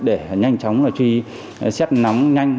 để nhanh chóng truy xét nắm nhanh